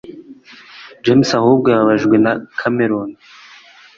James ahubwo yababajwe na Kameron